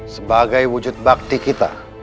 sebagai wujud bakti kita